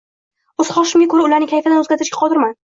o‘z xohishimga ko‘ra ularning kayfiyatini o‘zgartirishga qodirman.